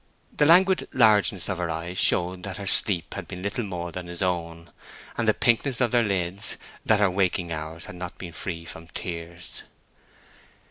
The languid largeness of her eyes showed that her sleep had been little more than his own, and the pinkness of their lids, that her waking hours had not been free from tears.